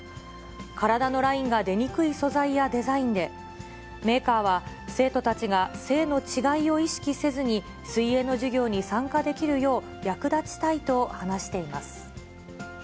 体のラインが出にくい素材やデザインで、メーカーは生徒たちが性の違いを意識せずに、水泳の授業に参加できるよう役立ちたいと話しています。